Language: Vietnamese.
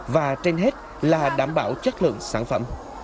và trên hết là đảm bảo chất lượng sản phẩm